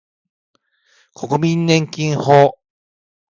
国民年金法